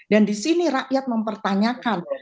dan di sini rakyat mempertanyakan